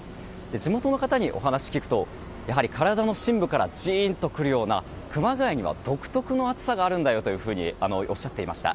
地元の方にお話を聞くと体の深部からジーンとくるような熊谷には独特の暑さがあるんだよとおっしゃっていました。